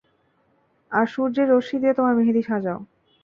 আর সূর্যের রশ্মি দিয়ে তোমার মেহেদি সাজাও।